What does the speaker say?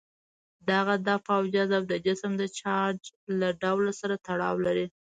دغه دفع او جذب د جسم د چارج له ډول سره تړاو لري.